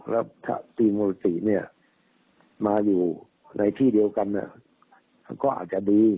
แล้วถ้าตีมุติเนี่ยมาอยู่ในที่เดียวกันก็อาจจะดี